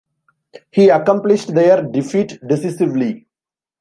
He accomplished their defeat, decisively.